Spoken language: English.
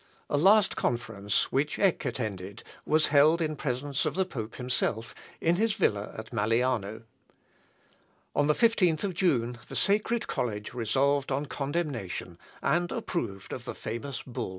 A last conference, which Eck attended, was held in presence of the pope himself, in his villa at Malliano. On the 15th of June the sacred college resolved on condemnation, and approved of the famous bull.